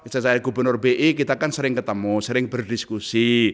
saya gubernur bi kita kan sering ketemu sering berdiskusi